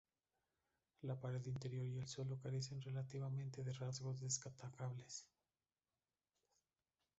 La pared interior y el suelo carecen relativamente de rasgos destacables.